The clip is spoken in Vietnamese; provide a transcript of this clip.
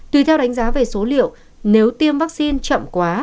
tùy theo đánh giá về số liệu nếu tiêm vaccine chậm quá